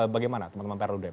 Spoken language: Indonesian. bagaimana teman teman pak erludem